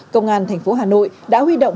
công an thành phố hà nội đã huy động